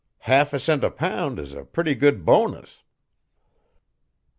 Half a cent a pound is a pretty good bonus!"